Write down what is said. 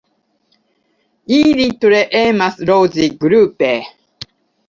Ili tre emas loĝi grupe.